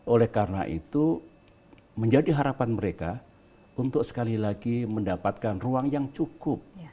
oleh karena itu menjadi harapan mereka untuk sekali lagi mendapatkan ruang yang cukup